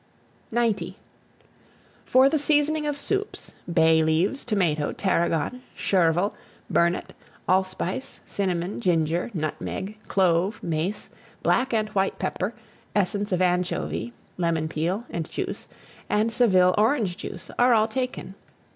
90. FOR THE SEASONING OF SOUPS, bay leaves, tomato, tarragon, chervil, burnet, allspice, cinnamon, ginger, nutmeg, clove, mace, black and white pepper, essence of anchovy, lemon peel, and juice, and Seville orange juice, are all taken.